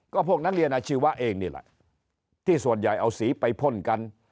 ก็พวกนักเรียนอาชีวะเองนี่แหละที่ส่วนใหญ่เอาสีไปพ่นกัน